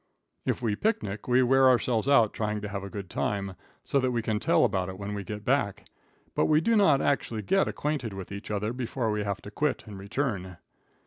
If we picnic, we wear ourselves out trying to have a good time, so that we can tell about it when we get back, but we do not actually get acquainted with each other before we have to quit and return.